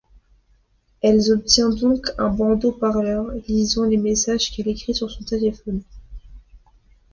Elle obtient donc un bandeau parleur, lisant les messages qu'elle écrit sur son téléphone.